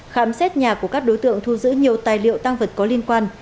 khám xét nhà của các đối tượng thu giữ nhiều tài liệu tăng vật có liên quan